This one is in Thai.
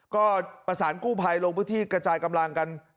ก็อมภารกู้ภัยโรงพวทธิกระจายกำลังกัน